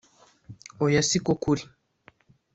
Oya si ko kuri